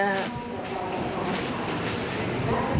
มันอาจจะ